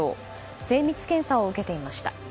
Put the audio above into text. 精密検査を受けていました。